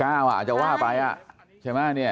คุณสังเงียมต้องตายแล้วคุณสังเงียม